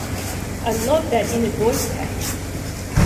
I loved that "Init Voice" patch.